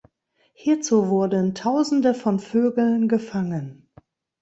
Hierzu wurden tausende von Vögeln gefangen.